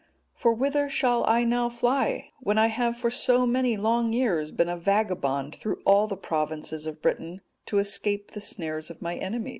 For whither shall I now fly, when I have for so many long years been a vagabond through all the provinces of Britain, to escape the snares of my enemies?"